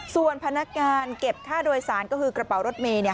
ส่วนพนักงานเก็บค่าโดยสารก็คือกระเป๋ารถเมย์